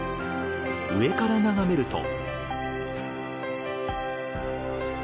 上から眺めると。